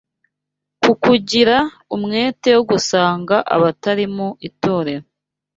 ku kugira umwete wo gusanga abatari mu itorero